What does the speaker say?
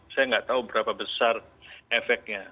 saya nggak tahu berapa besar efeknya